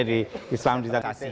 di islam di satu titik